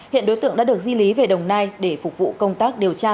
hiện đối tượng đã được di lý về đồng nai để phục vụ công tác điều tra